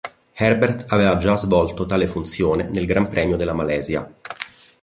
Herbert aveva già svolto tale funzione nel Gran Premio della Malesia.